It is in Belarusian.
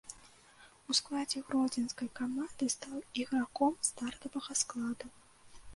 У складзе гродзенскай каманды стаў іграком стартавага складу.